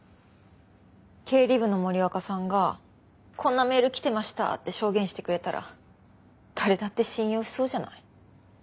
経理部の森若さんが「こんなメール来てました」って証言してくれたら誰だって信用しそうじゃない。